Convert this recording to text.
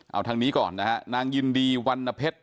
เอาทางนี้ก่อนนะฮะนางยินดีวันนเพชร